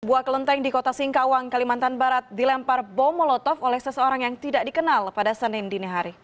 sebuah kelenteng di kota singkawang kalimantan barat dilempar bom molotov oleh seseorang yang tidak dikenal pada senin dini hari